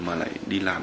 mà lại đi làm